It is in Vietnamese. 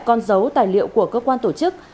con dấu tài liệu của cơ quan tổ chức